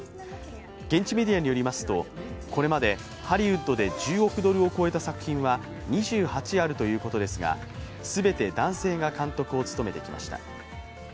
現地メディアによりますと、これまでハリウッドで１０億ドルを超えた作品は２８あるということですが全て男性が監督を務めてきました。